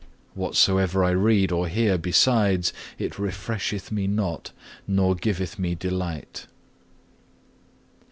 Whatsoever I read or hear besides it, it refresheth me not, nor giveth me delight.